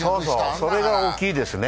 それが大きいですね。